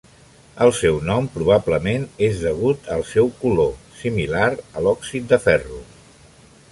El seu nom probablement és degut al seu color, similar a l'òxid de ferro.